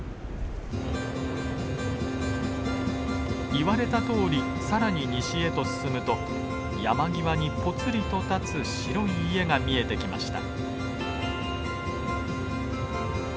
言われたとおり更に西へと進むと山際にぽつりと建つ白い家が見えてきました。